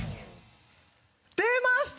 出ました！